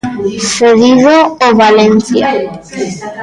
Cedido o Valencia.